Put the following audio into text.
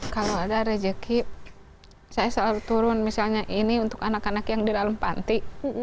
kalau ada rezeki saya selalu turun misalnya ini untuk anak anak yang di dalam panti